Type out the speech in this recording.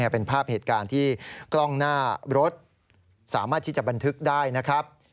เป็นภาพเหตุการณ์ที่กล้องหน้ารถสามารถที่จะบันทึกได้นะครับ